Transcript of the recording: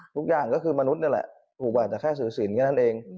ทุกอย่างก็คือมนุษย์นั่นแหละถูกกว่าแต่แค่ถือศิลปแค่นั้นเอง